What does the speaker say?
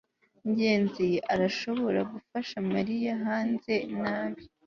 ngenzi arashobora gufasha mariya hanze nabi